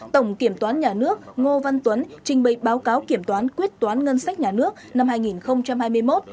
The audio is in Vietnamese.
tổng kiểm toán nhà nước ngô văn tuấn trình bày báo cáo kiểm toán quyết toán ngân sách nhà nước năm hai nghìn hai mươi một